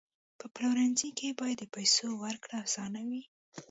په پلورنځي کې باید د پیسو ورکړه اسانه وي.